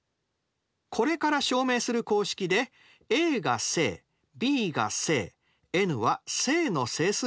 これから証明する公式でａが正ｂが正ｎは正の整数とします。